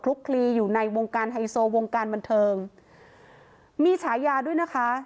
คลีอยู่ในวงการไฮโซวงการบันเทิงมีฉายาด้วยนะคะ